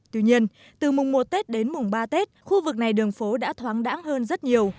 tuy nhiên từ mùng một tết đến mùng ba tết khu vực này đường phố đã thoáng đáng hơn rất nhiều